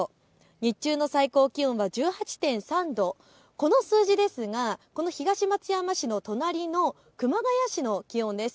日中の最高気温は１８．３度、この数字ですがこの東松山市の隣の熊谷市の気温です。